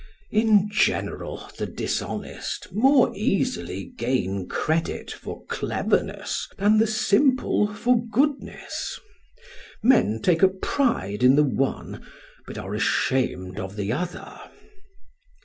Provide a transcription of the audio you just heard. In general the dishonest more easily gain credit for cleverness than the simple for goodness; men take a pride in the one, but are ashamed of the other.